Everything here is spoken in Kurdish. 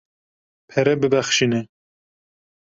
Pere bibexşîne.